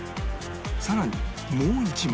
さらにもう一枚